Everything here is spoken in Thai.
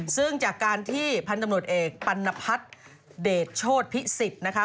ซึ่งจากการที่พันธุ์ตำรวจเอกปัณพัฒน์เดชโชธพิสิทธิ์นะคะ